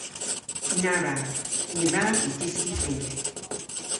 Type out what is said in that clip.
Na wrav. Ny wrav vy dyski Frynkek.